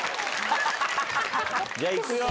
じゃあ、いくよ。